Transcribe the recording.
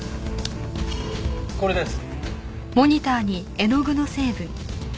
これです。